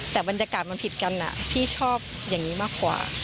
แต่บรรยากาศมันผิดกันพี่ชอบอย่างนี้มากกว่า